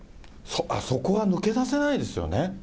そこが抜け出せないですよね。